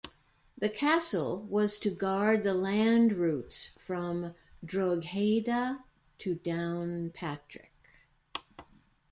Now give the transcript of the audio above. The castle was to guard the land routes from Drogheda to Downpatrick.